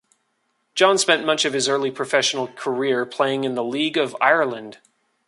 John spent much of his early professional career playing in the League of Ireland.